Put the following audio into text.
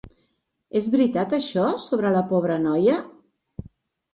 És veritat això sobre la pobra noia?